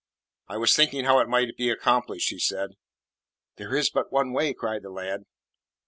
"I was thinking how it might be accomplished," he said. "There is but one way," cried the lad.